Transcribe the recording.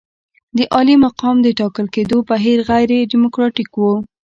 د عالي مقام د ټاکل کېدو بهیر غیر ډیموکراتیک وو.